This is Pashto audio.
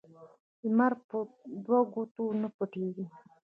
لمر په دوو ګوتو نه پټېږي